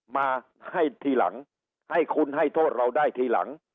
มาให้ทีหลังให้คุณให้โทษเราได้ทีหลัง